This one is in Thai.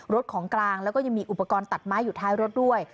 ของกลางแล้วก็ยังมีอุปกรณ์ตัดไม้อยู่ท้ายรถด้วย